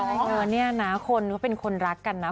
ใช่นี่นะคนก็เป็นคนรักกันนะ